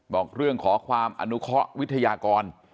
บอกเรื่องขอความอนุเคาะวิทยากร